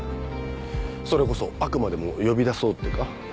それこそ悪魔でも呼び出そうってか？